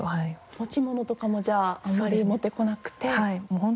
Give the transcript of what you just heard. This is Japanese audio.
持ち物とかもじゃああまり持ってこなくて。